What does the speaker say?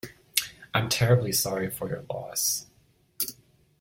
I’m terribly sorry for your loss.